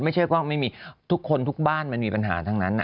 ไม่ใช่ก็ไม่มีทุกคนทุกบ้านมันมีปัญหาทั้งนั้น